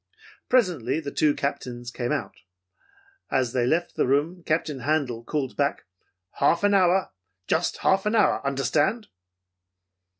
Presently the two Captains came out. As they left the room Captain Handel called back, 'Half an hour. Just half an hour, understand!'